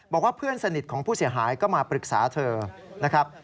บอกว่าเพื่อนสนิทของผู้เสียหายก็มาปรึกษาเธอนะครับ